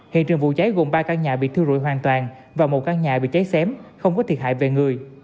hiện trường vụ cháy gồm ba căn nhà bị thư rụi hoàn toàn và một căn nhà bị cháy xém không có thiệt hại về người